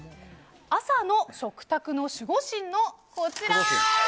朝の食卓の守護神のこちら。